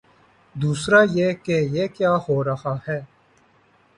دوسرا یہ کہ کیا ہو رہا ہے۔